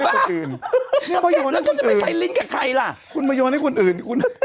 แล้วถ้าจะใช้ลิ้นใครคุณมาย้อนไว้ให้คนอื่น